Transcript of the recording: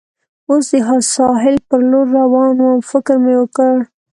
اوس د ساحل پر لور روان ووم، فکر مې وکړ.